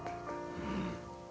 うん。